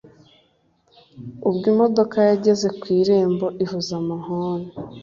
ubwo imodoka yageze ku irembo ivuza ihoni